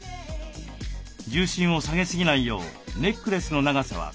重心を下げすぎないようネックレスの長さは鎖骨の下くらい。